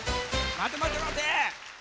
まてまてまて！